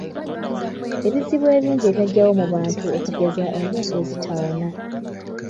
Ebizibu ebingi ebyajjawo mu bantu okugeza endwadde ezitawona.